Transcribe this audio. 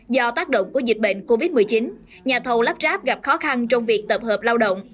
do tác động của dịch bệnh covid một mươi chín nhà thầu lắp ráp gặp khó khăn trong việc tập hợp lao động